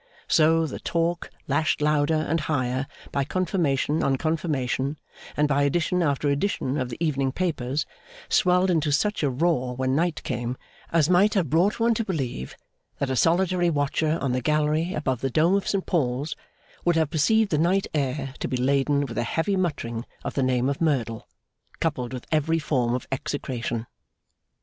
So, the talk, lashed louder and higher by confirmation on confirmation, and by edition after edition of the evening papers, swelled into such a roar when night came, as might have brought one to believe that a solitary watcher on the gallery above the Dome of St Paul's would have perceived the night air to be laden with a heavy muttering of the name of Merdle, coupled with every form of execration.